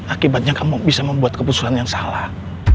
akibatnya kamu bisa membuat keputusan yang salah